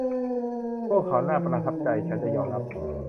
พวกเขาน่าประทับใจมาก ฉันจะยอมรับ